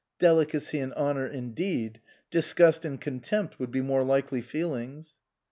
"Delicacy" and "honour" indeed! Dis gust and contempt would be more likely feel ings.